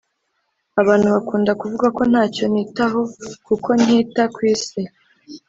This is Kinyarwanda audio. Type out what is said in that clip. Abantu bakunda kuvuga ko ntacyo nitaho kuko ntita kw’isi